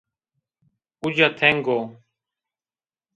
Uca teng o